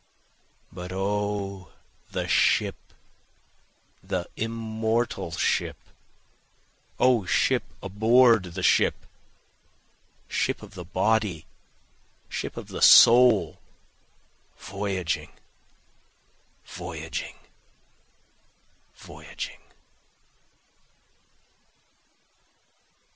But O the ship, the immortal ship! O ship aboard the ship! Ship of the body, ship of the soul, voyaging, voyaging, voyaging.